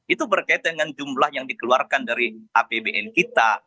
itu berkaitan dengan jumlah yang dikeluarkan dari apbn kita